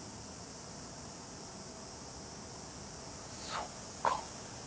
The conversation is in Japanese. そっか。